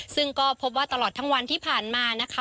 ซึ่งก็พบว่าตลอดทั้งวันที่ผ่านมานะคะ